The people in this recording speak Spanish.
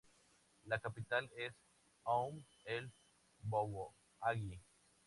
La capital es Oum el-Bouaghi.